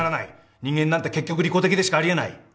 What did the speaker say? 人間なんてけっきょく利己的でしかあり得ない！